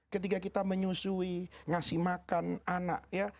ketika kita menyusui ngasih makan anak ya